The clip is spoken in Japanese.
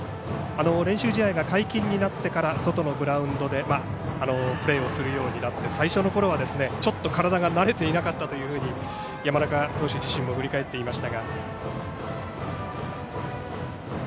練習試合が解禁になってから外のグラウンドでプレーするようになって最初のころはちょっと体が慣れていなかったと山中投手自身も振り返っていましたが。